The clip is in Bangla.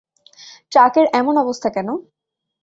ট্রাকের এমন অবস্থা কেন?